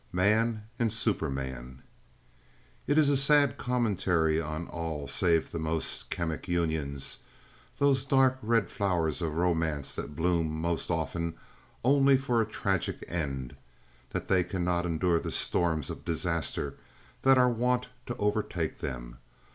"Man and Superman" It is a sad commentary on all save the most chemic unions—those dark red flowers of romance that bloom most often only for a tragic end—that they cannot endure the storms of disaster that are wont to overtake them.